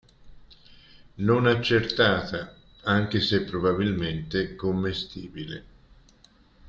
Non accertata, anche se probabilmente commestibile.